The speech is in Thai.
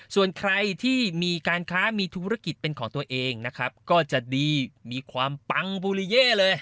ส่วนใครที่มีการค้ามีธุรกิจเป็นของตัวเองนะครับก็จะดีมีความปังบูริเย่เลย